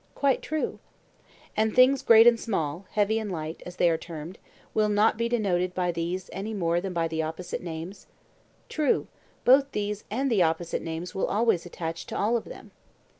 Quite true. And things great and small, heavy and light, as they are termed, will not be denoted by these any more than by the opposite names? True; both these and the opposite names will always attach to all of them.